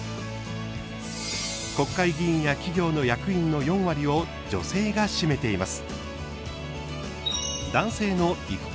国会議員や企業の役員の４割を女性が占めています。